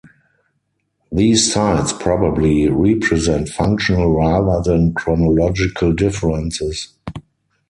These sites probably represent functional rather than chronological differences.